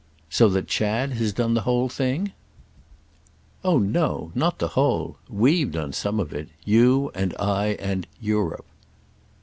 "So that Chad has done the whole thing?" "Oh no—not the whole. We've done some of it. You and I and 'Europe.